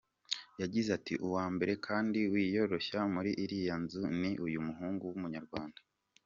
Yagize ati “Uwa mbere kandi wiyoroshya muri iriya nzu, ni uyu muhungu w’Umunyarwanda.